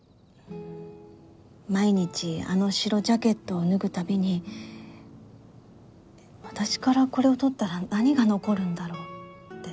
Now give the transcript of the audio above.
毎日あの白ジャケットを脱ぐたびに私からこれを取ったら何が残るんだろうって。